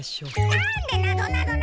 なんでなぞなぞなんだ！？